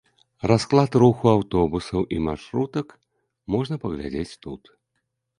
Расклад руху аўтобусаў і маршрутак можна паглядзець тут.